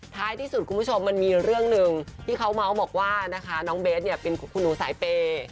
ท้ายที่สุดคุณผู้ชมมันมีเรื่องหนึ่งที่เขาเมาส์บอกว่านะคะน้องเบสเนี่ยเป็นคุณหนูสายเปย์